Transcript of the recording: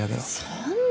そんな。